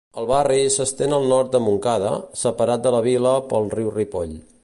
El barri s'estén al nord de Montcada, separat de la vila pel riu Ripoll.